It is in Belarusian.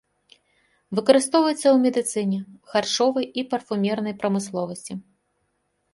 Выкарыстоўваецца ў медыцыне, харчовай і парфумернай прамысловасці.